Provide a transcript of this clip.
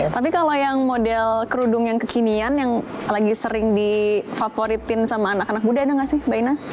tapi kalau yang model kerudung yang kekinian yang lagi sering difavoritin sama anak anak muda ada nggak sih mbak ina